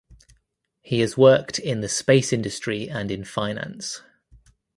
He has worked in the space industry and in finance.